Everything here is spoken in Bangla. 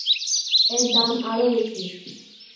এর দাম আরও বেশি।